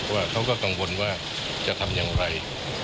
ว่าเขาก็กังวลว่าจะทำอย่างไร